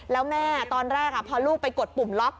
แล้วแม่ตอนแรกพอลูกไปกดปุ่มล็อก